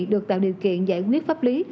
được tạo điều kiện giải quyết pháp lý